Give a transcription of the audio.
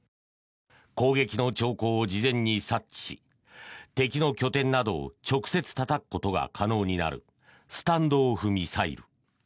攻撃の兆候を事前に察知し敵の拠点などを直接たたくことが可能になるスタンド・オフ・ミサイル。